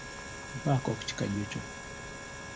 Mpaako ku kikajjo kyo.